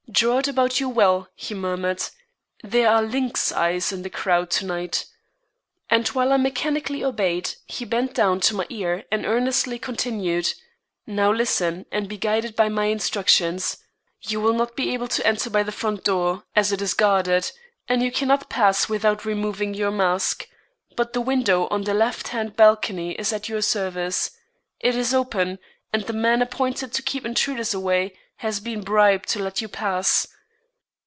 "Draw it about you well," he murmured; "there are lynx eyes in the crowd to night." And while I mechanically obeyed, he bent down to my ear and earnestly continued: "Now listen, and be guided by my instructions. You will not be able to enter by the front door, as it is guarded, and you cannot pass without removing your mask. But the window on the left hand balcony is at your service. It is open, and the man appointed to keep intruders away, has been bribed to let you pass.